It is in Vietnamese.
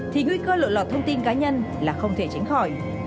thì nguy cơ lộ lọt thông tin cá nhân là không thể tránh khỏi